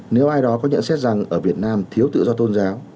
nếu ai đó có nhận xét rằng ở việt nam thiếu tự do tôn giáo